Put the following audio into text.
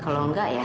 kalau nggak ya